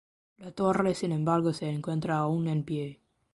La torre sin embargo se encuentra aún en pie.